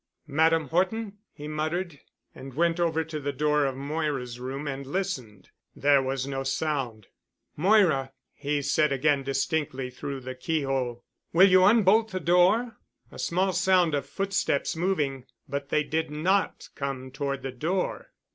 "Madame Horton?" he muttered, and went over to the door of Moira's room and listened. There was no sound. "Moira," he said again distinctly through the keyhole. "Will you unbolt the door?" A small sound of footsteps moving, but they did not come toward the door.